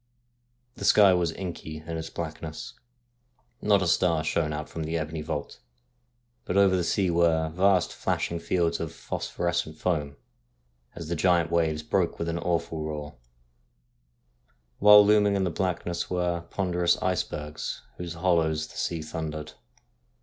The sky was inky in its blackness. Not a star shone out from the ebony vault ; but over the sea were vast flashing fields of phosphorescent foam as the giant waves broke with an awful roar ; while looming in the blackness were ponderous icebergs in whose hollows the sea thundered.